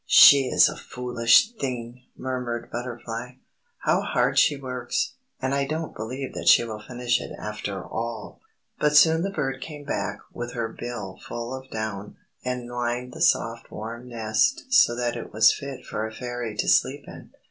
"She is a foolish thing!" murmured Butterfly. "How hard she works, and I don't believe that she will finish it after all!" But soon the bird came back with her bill full of down, and lined the soft warm nest so that it was fit for a Fairy to sleep in.